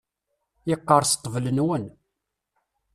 Yeqqerṣ ṭṭbel-nwen.